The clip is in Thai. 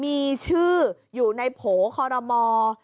มีชื่ออยู่ในโผล่คอรมอล์